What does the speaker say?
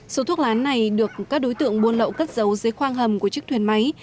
số thuốc lá này được các đối tượng buôn lậu cất dấu dưới khoang hầm của chiếc thuyền máy